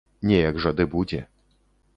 Неяк жа ды будзе.